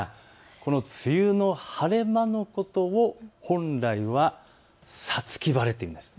この梅雨の晴れ間のことを本来は五月晴れといいます。